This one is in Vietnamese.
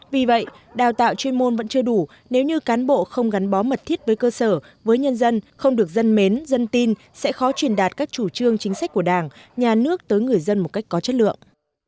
vì vậy đào tạo chuyên môn vẫn chưa đủ nếu như cán bộ không gắn bó mật thiết với cơ sở với nhân dân không được dân mến dân tin sẽ khó truyền đạt các chủ trương chính sách của đảng nhà nước tới người dân một cách có chất lượng